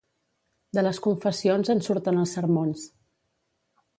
De les confessions en surten els sermons.